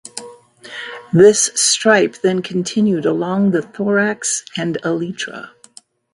This stripe then continued along the thorax and elytra.